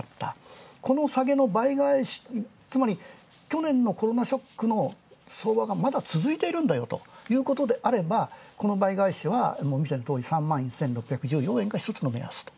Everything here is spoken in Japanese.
この下げの倍返し、つまりこのショックの相場がまだ続いているんだよということであれば、この倍返しは見てのとおり３万１６１４円が１つの目安と。